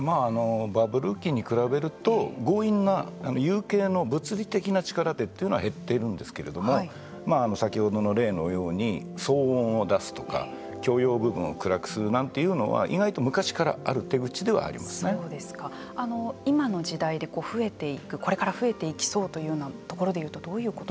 バブル期に比べると強引な有形の物理的な力でというのは減っているんですけれども先ほどの例のように騒音を出すとか共用部分を暗くするなんていうのは意外と昔から今の時代で増えていくこれから増えていきそうというところで言うとどういうことが。